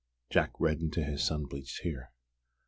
Jack reddened to his sun bleached hair.